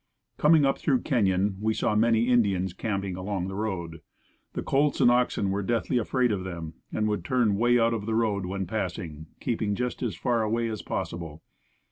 Coming up through Kenyon we saw many Indians camping along the road. The colts and oxen were deathly afraid of them and would turn way out of the road when passing, keeping just as far away as possible.